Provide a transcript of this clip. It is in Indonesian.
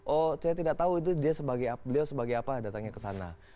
oh saya tidak tahu itu beliau sebagai apa datangnya ke sana